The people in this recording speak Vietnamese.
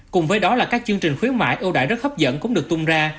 cùng với đó là các chương trình khuyến mại ưu đại rất hấp dẫn cũng được tung ra